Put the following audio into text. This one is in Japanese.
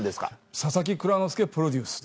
佐々木蔵之介プロデュースです。